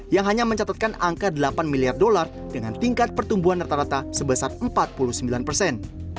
yang hanya mencatatkan angka delapan miliar dolar dengan tingkat pertumbuhan rata rata sebesar empat puluh sembilan persen